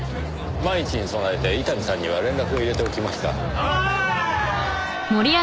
万一に備えて伊丹さんには連絡を入れておきました。